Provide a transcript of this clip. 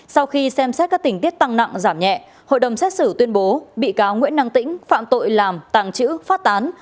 sau khi xem xét các tình tiết tăng nặng giảm nhẹ hội đồng xét xử tuyên bố bị cáo nguyễn năng tĩnh phạm tội làm tàng trữ phát tán